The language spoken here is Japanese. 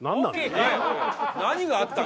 何があったの？